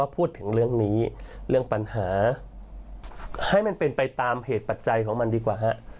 พูดเรื่องปัญหาให้เป็นไปตามเหตุปัจจัยของเหตุการณ์